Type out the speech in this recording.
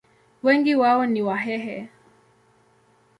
Wengi wao ni Wahehe.